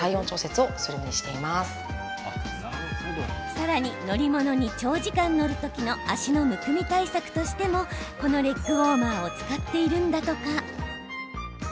さらに、乗り物に長時間乗る時の脚のむくみ対策としてもこのレッグウォーマーを使っているんだとか。